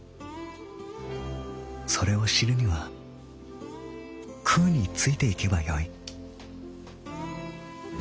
それを知るにはくうについてゆけばよい」。